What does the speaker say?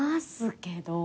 けど？